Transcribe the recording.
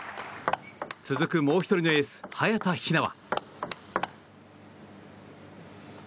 続く、もう１人のエース早田ひなは。